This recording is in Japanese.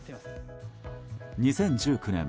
２０１９年